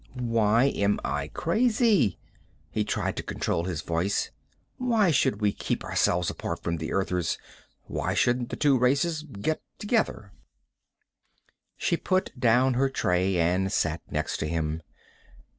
"Why am I crazy?" He tried to control his voice. "Why should we keep ourselves apart from the Earthers? Why shouldn't the two races get together?" She put down her tray and sat next to him.